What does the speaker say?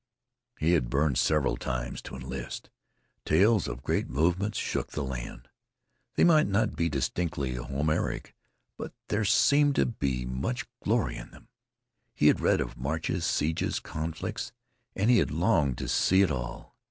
He had burned several times to enlist. Tales of great movements shook the land. They might not be distinctly Homeric, but there seemed to be much glory in them. He had read of marches, sieges, conflicts, and he had longed to see it all.